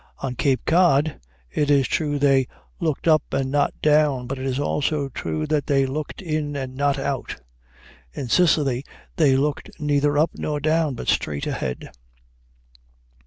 On Cape Cod, it is true, they looked "up and not down," but it is also true that they "looked in and not out"; in Sicily they looked neither up nor down, but straight ahead.